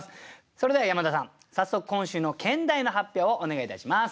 それでは山田さん早速今週の兼題の発表をお願いいたします。